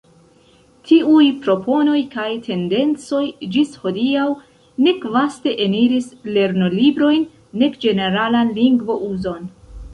Tiuj proponoj kaj tendencoj ĝis hodiaŭ nek vaste eniris lernolibrojn, nek ĝeneralan lingvo-uzon.